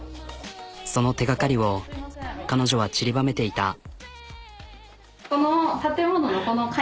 その手がかりを彼女は散りばめていた。